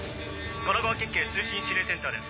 神奈川県警通信指令センターです。